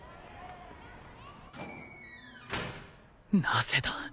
なぜだ？